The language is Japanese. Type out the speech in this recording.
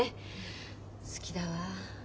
好きだわ。